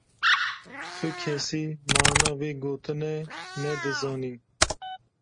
Tukesî mana vê gotine ne dizanî.